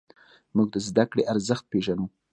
موږ د زدهکړې ارزښت پېژنو.